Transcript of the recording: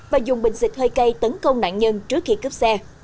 và dùng bình xịt hơi cây tấn công nạn nhân trước khi cướp xe